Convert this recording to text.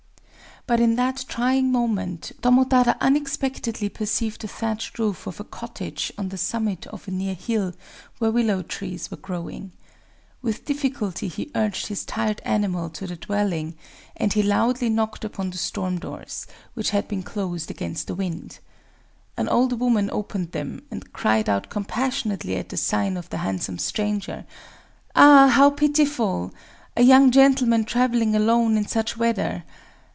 But in that trying moment, Tomotada unexpectedly perceived the thatched room of a cottage on the summit of a near hill, where willow trees were growing. With difficulty he urged his tired animal to the dwelling; and he loudly knocked upon the storm doors, which had been closed against the wind. An old woman opened them, and cried out compassionately at the sight of the handsome stranger: "Ah, how pitiful!—a young gentleman traveling alone in such weather!...